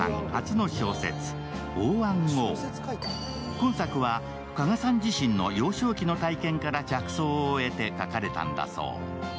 今作は、加賀さん自身の幼少期の体験から着想を得て書かれたんだそう。